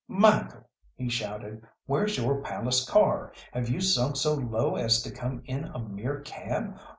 "Michael!" he shouted, "where's your palace car? Have you sunk so low as to come in a mere cab?